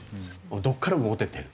どこからもモテてる。